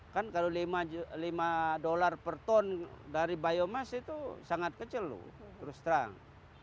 kan kalau lima dolar per ton dari biomas itu sangat kecil loh terus terang